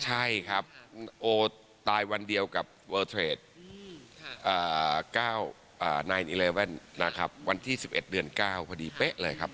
ใช่ครับโอตายวันเดียวกับเวอร์เทรด๙นายเว่นนะครับวันที่๑๑เดือน๙พอดีเป๊ะเลยครับ